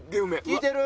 聞いてる？